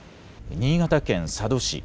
新潟県佐渡市。